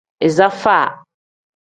Iza faa.